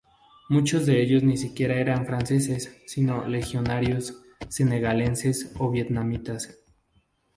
Muchos de ellos ni siquiera eran franceses sino legionarios, senegaleses o vietnamitas.